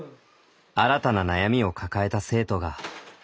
新たな悩みを抱えた生徒が。